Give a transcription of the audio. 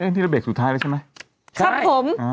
นี่เราเบรกสุดท้ายแล้วใช่ไหม